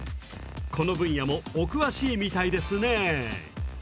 この分野もお詳しいみたいですね。